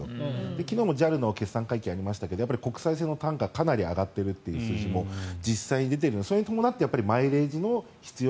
昨日もＪＡＬの決算会計がありましたが国際線の単価かなり上がっているという数字もかなり出ているのでそれに伴ってマイレージの必要